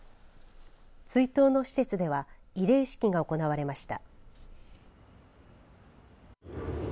追悼の施設では慰霊式が行われました。